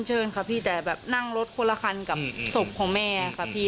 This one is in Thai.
เชิญค่ะพี่แต่แบบนั่งรถคนละคันกับศพของแม่ค่ะพี่